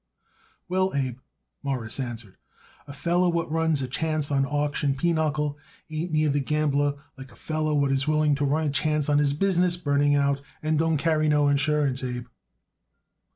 "Well, Abe," Morris answered, "a feller what runs a chance on auction pinochle ain't near the gambler like a feller what is willing to run a chance on his business burning out and don't carry no insurance, Abe."